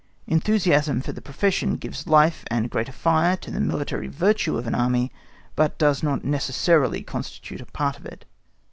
Enthusiasm for the profession gives life and greater fire to the military virtue of an Army, but does not necessarily constitute a part of it.